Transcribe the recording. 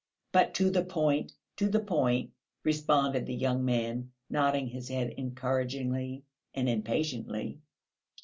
"But to the point, to the point," responded the young man, nodding his head encouragingly and impatiently.